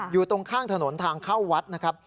อยู่ตรงข้างถนนทางเข้าวัดนะครับ